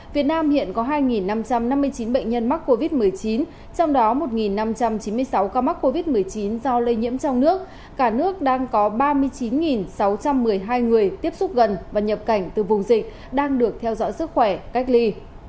việt nam hiện có hai năm trăm năm mươi chín bệnh nhân mắc covid một mươi chín trong đó một năm trăm chín mươi sáu ca mắc covid một mươi chín do lây nhiễm trong nước cả nước đang có ba mươi chín sáu trăm một mươi hai người tiếp xúc gần và nhập cảnh từ vùng dịch đang được theo dõi sức khỏe cách ly